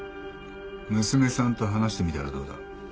娘さんと話してみたらどうだ？